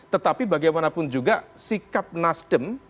tetapi bagaimanapun juga sikap nasdem